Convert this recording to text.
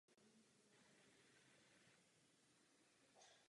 Některé z objevů se dostaly i do sdělovacích prostředků.